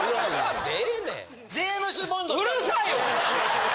うるさいわ！